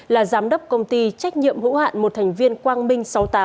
là giám đốc công ty trách nhiệm hữu hạn một thành viên quang minh sáu mươi tám